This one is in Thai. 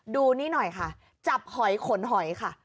ดูนี่หน่อยค่ะจับหอยขนหอยค่ะ